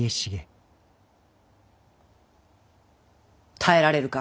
耐えられるか。